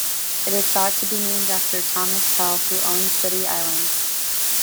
It is thought to be named after Thomas Pell who owned City Island.